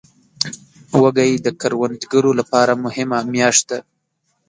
وږی د کروندګرو لپاره مهمه میاشت ده.